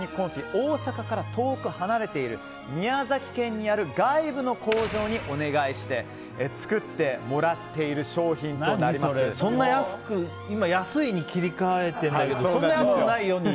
大阪から遠く離れている宮崎県にある外部の工場にお願いして作ってもらっている今、安いに切り替えてるんだけどそんな安くないよに。